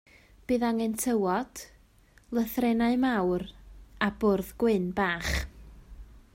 Bydd angen tywod, lythrennau mawr, a bwrdd gwyn bach.